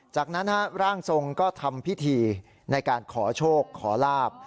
จากนั้นร่างทรงก็ทำพิธีในการขอโชคขอลาบ